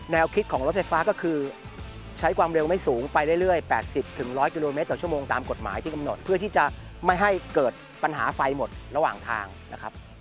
คิดของรถไฟฟ้าก็คือใช้ความเร็วไม่สูงไปเรื่อย๘๐๑๐๐กิโลเมตรต่อชั่วโมงตามกฎหมายที่กำหนดเพื่อที่จะไม่ให้เกิดปัญหาไฟหมดระหว่างทางนะครับ